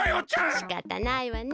しかたないわね。